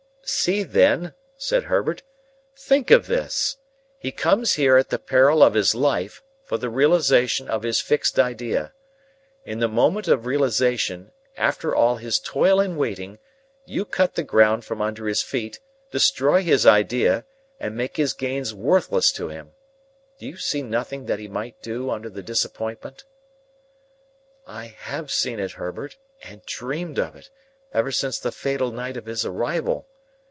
"See, then," said Herbert; "think of this! He comes here at the peril of his life, for the realisation of his fixed idea. In the moment of realisation, after all his toil and waiting, you cut the ground from under his feet, destroy his idea, and make his gains worthless to him. Do you see nothing that he might do, under the disappointment?" "I have seen it, Herbert, and dreamed of it, ever since the fatal night of his arrival.